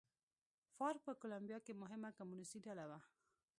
فارک په کولمبیا کې مهمه کمونېستي ډله وه.